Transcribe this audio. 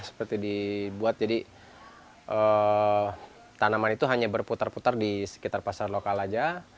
seperti dibuat jadi tanaman itu hanya berputar putar di sekitar pasar lokal saja